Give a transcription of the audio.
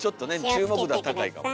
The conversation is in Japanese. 注目度は高いかもね。